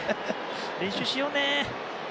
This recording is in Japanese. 練習しようね。